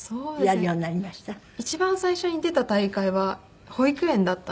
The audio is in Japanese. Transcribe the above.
一番最初に出た大会は保育園だったんです。